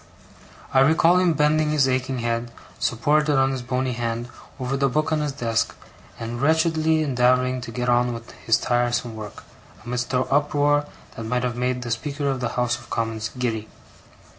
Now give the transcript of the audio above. I recall him bending his aching head, supported on his bony hand, over the book on his desk, and wretchedly endeavouring to get on with his tiresome work, amidst an uproar that might have made the Speaker of the House of Commons giddy.